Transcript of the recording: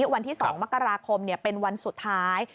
วันที่๒มกราคมเป็นวันสุดท้าย